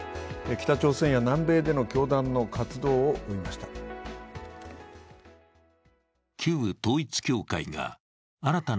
北朝鮮や南米での教団の活動を追いました。